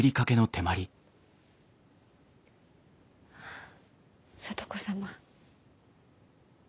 あ聡子様。